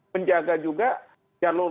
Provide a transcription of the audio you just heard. menjaga juga jalur